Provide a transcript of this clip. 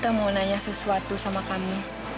tante mau nanya sesuatu sama kamu